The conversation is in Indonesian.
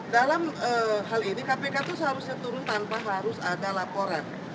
dalam hal ini kpk itu seharusnya turun tanpa harus ada laporan